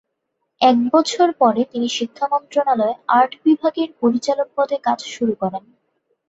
এক বছর পরে তিনি শিক্ষা মন্ত্রণালয়ে আর্ট বিভাগের পরিচালক পদে কাজ শুরু করেন।